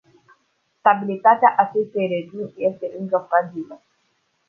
Stabilitatea acestei regiuni este încă fragilă.